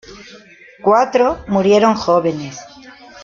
Cuatro murieron jóvenes.